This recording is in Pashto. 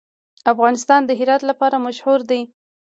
افغانستان د هرات لپاره مشهور دی.